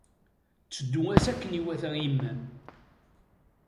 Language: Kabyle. Tteddu-as akken iwata i yemma-m.